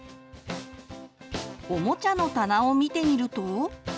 おもちゃの棚を見てみると。